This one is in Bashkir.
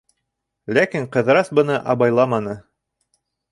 Ләкин Ҡыҙырас быны абайламаны.